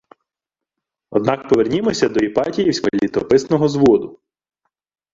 Однак повернімося до Іпатіївського літописного зводу